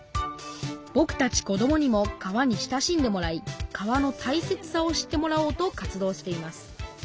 ぼくたち子どもにも川に親しんでもらい川のたいせつさを知ってもらおうと活動しています。